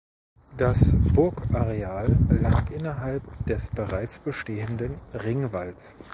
Das Burgareal lag innerhalb des bereits bestehenden Ringwalls.